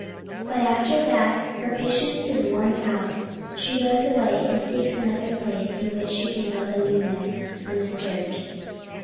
But after that her patience is worn out, she goes away and seeks another place in which she can build a new nest undisturbed."